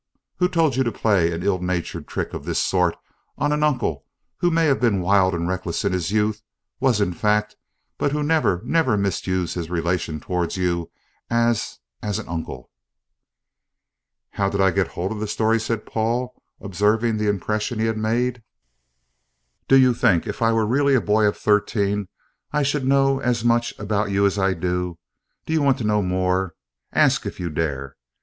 Who told you to play an ill natured trick of this sort on an uncle, who may have been wild and reckless in his youth was in fact but who never, never misused his relation towards you as as an uncle?" "How did I get hold of the story?" said Paul, observing the impression he had made. "Do you think if I were really a boy of thirteen I should know as much about you as I do? Do you want to know more? Ask, if you dare!